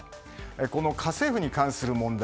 この家政婦に関する問題